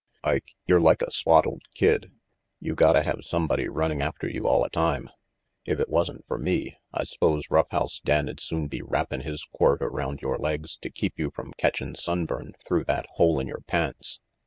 "Ike, you're like a swaddled kid. You gotta have somebody running after you alia time. If it wasn't fer me, I s'pose Rough House Dan 'd soon be wrappin' his quirt around your legs to keep you from catchin' sunburn through that hole in your pants.